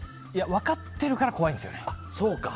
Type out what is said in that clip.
分かってるから怖いんですよね。